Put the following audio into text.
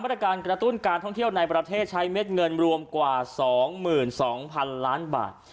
ตรการกระตุ้นการท่องเที่ยวในประเทศใช้เม็ดเงินรวมกว่า๒๒๐๐๐ล้านบาท